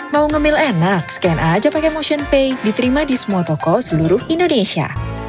mau nge mail enak scan aja pake motionpay diterima di semua toko seluruh indonesia